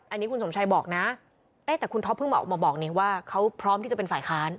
อันนี้คุณสมชัยบอกนะแต่คุณท็อปเพิ่งมาออกมาบอกนี่ว่าเขาพร้อมที่จะเป็นฝ่ายค้าน